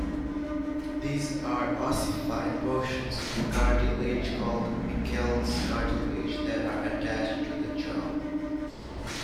These are ossified portions of cartilage-called Meckel's cartilage-that are attached to the jaw.